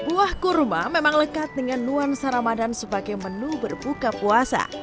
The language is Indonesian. buah kurma memang lekat dengan nuansa ramadan sebagai menu berbuka puasa